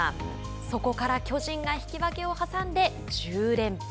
そこから巨人が引き分けを挟んで１０連敗。